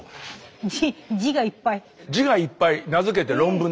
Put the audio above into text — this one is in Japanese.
字字がいっぱい。